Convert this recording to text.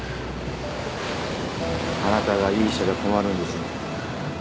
あなたがいい医者じゃ困るんですよ。